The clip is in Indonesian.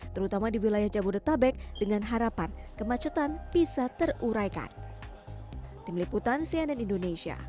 terutama di wilayah jabodetabek dengan harapan kemacetan bisa teruraikan